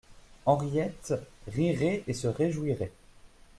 Henriette rirait et se réjouirait.